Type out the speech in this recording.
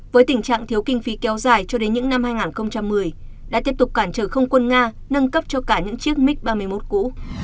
với tình trạng thiếu kinh phí kéo dài cho đến những năm hai nghìn một mươi đã tiếp tục cản trở không quân nga nâng cấp cho cả những chiếc mig ba mươi một cũ